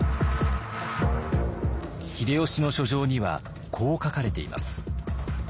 秀吉の書状にはこう書かれています。